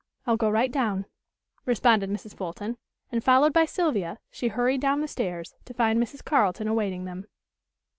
I'll go right down," responded Mrs. Fulton, and, followed by Sylvia, she hurried down the stairs, to find Mrs. Carleton awaiting them.